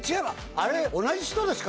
あれ同じ人ですか？